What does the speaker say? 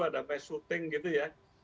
ada pas shooting gitu ya